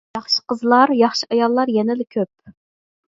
ياخشى قىزلار، ياخشى ئاياللار يەنىلا كۆپ!